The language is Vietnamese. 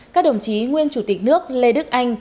các đồng chí nguyên chủ tịch nước lê đức anh